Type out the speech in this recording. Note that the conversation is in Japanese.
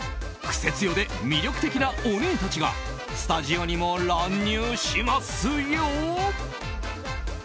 クセ強で魅力的なオネエたちがスタジオにも乱入しますよ！